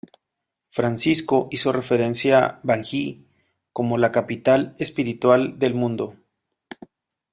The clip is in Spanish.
Francisco hizo referencia a Bangui como: "la capital espiritual del mundo".